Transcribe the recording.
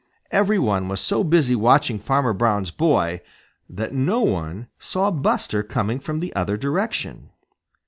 Every one was so busy watching Farmer Brown's boy that no one saw Buster coming from the other direction.